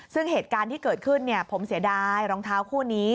ซึ่งเหตุการณ์ที่เกิดขึ้นผมเสียดายรองเท้าคู่นี้